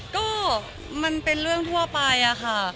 ก็มันเป็นเรื่องทั่วไปอะค่ะ